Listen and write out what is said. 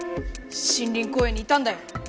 森林公園にいたんだよ！